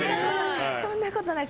そんなことない。